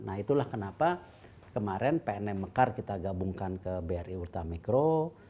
nah itulah kenapa kemarin pnm mekar kita gabungkan ke bri ultramikro